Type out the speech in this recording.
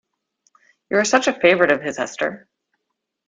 You are such a favourite of his, Esther.